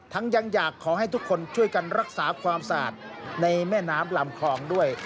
ยังอยากขอให้ทุกคนช่วยกันรักษาความสะอาดในแม่น้ำลำคลองด้วย